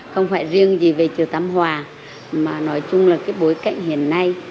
không phải riêng gì về chùa tam hòa mà nói chung là cái bối cảnh hiện nay